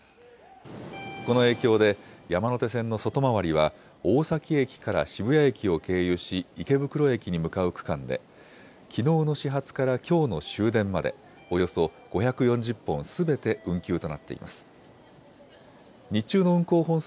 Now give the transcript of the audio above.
この影響で山手線の外回りは大崎駅から渋谷駅を経由し池袋駅に向かう区間できのうの始発からきょうの終電までおよそ５４０本すべて運休となっています。